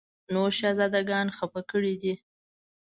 نور شهزاده ګان خپه کړي دي.